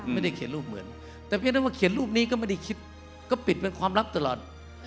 แต่เพียงนึกว่าเขียนรูปนี้ก็ไม่ได้คิดก็ปิดเป็นความลับตลอด